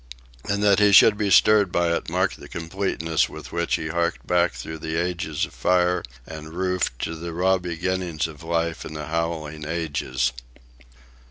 And that he should be stirred by it marked the completeness with which he harked back through the ages of fire and roof to the raw beginnings of life in the howling ages.